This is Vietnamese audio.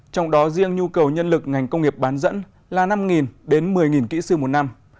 trong đó riêng nhu cầu nhân lực ngành công nghiệp bán dẫn là năm đến một mươi kỹ sư một năm